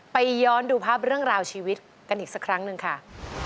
ย้อนดูภาพเรื่องราวชีวิตกันอีกสักครั้งหนึ่งค่ะ